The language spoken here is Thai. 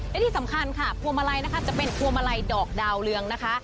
และที่สำคัญค่ะพวงมาลัยนะคะจะเป็นพวงมาลัยดอกดาวเรืองนะคะ